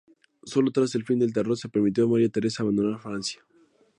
Sólo tras el fin del Terror se permitió a María Teresa abandonar Francia.